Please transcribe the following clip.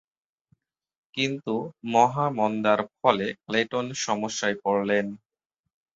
কিন্তু মহামন্দার ফলে ক্লেটন সমস্যায় পড়লেন।